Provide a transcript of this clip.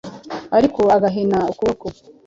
ariko agahina ukuboko,